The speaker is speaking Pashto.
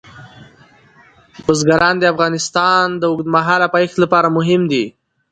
بزګان د افغانستان د اوږدمهاله پایښت لپاره مهم دي.